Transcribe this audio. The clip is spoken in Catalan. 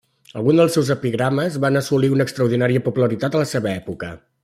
Alguns dels seus epigrames van assolir una extraordinària popularitat a la seva època.